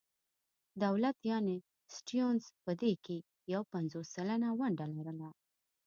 دولت یعنې سټیونز په دې کې یو پنځوس سلنه ونډه لرله.